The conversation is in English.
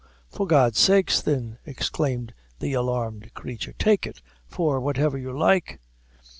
"For God's sake, thin," exclaimed the alarmed creature, "take it for whatever you like."